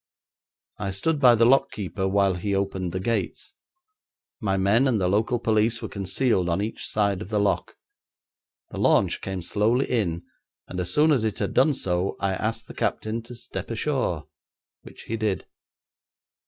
I stood by the lock keeper while he opened the gates; my men and the local police were concealed on each side of the lock. The launch came slowly in, and as soon as it had done so I asked the captain to step ashore, which he did.